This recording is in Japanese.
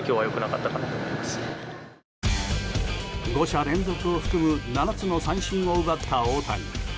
５者連続を含む７つの三振を奪った大谷。